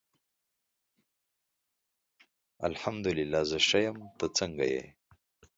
الحمد الله زه ښه یم ته څنګه یی